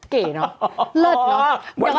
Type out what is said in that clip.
เก๋เนอะเลิศเนอะ